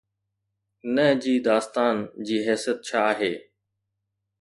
نه جي داستان جي حيثيت ڇا آهي؟